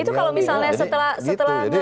itu kalau misalnya setelah